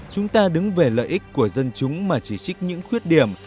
chúng ta đứng về lợi ích của dân chúng mà chỉ trích những khuyết điểm